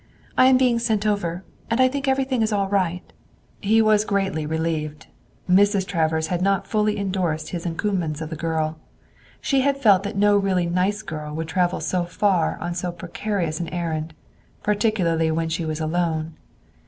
"I am being sent over and I think everything is all right." He was greatly relieved. Mrs. Travers had not fully indorsed his encomiums of the girl. She had felt that no really nice girl would travel so far on so precarious an errand, particularly when she was alone.